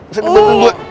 bisa dibatuin gue